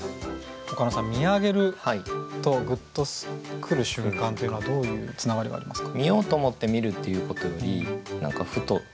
岡野さん「見上げる」と「グッとくる瞬間」というのはどういうつながりがありますか？